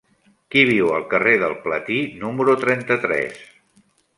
Qui viu al carrer del Platí número trenta-tres?